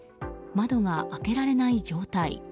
窓が開けられない状態。